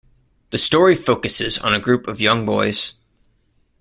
The story focuses on a group of young boys.